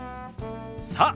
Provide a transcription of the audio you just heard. さあ